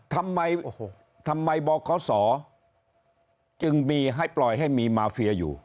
ทำไมทำไมบคฤศจึงมาให้เปล่าให้มาเฟียอยู่